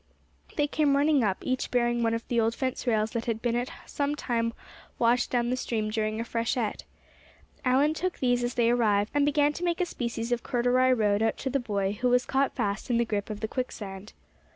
They came running up, each bearing one of the old fence rails that had been at some time washed down the stream during a freshet. Allan took these as they arrived, and began to make a species of corduroy road out to the boy who was caught fast in the grip of the quicksand.